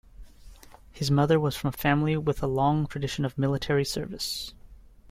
His mother was from a family with a long tradition of military service.